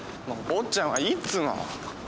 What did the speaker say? もう坊っちゃんはいいっつうの！